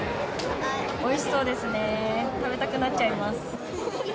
おいしそうですね食べたくなっちゃいます。